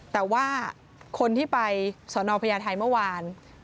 แต่ว่าคนที่ไปสอนอพญาไทยเมื่อวาน